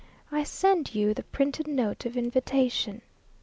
I send you the printed note of invitation.